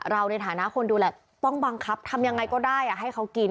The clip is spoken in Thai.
ในฐานะคนดูแลต้องบังคับทำยังไงก็ได้ให้เขากิน